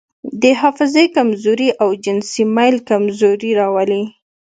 د حافظې کمزوري او جنسي میل کمزوري راولي.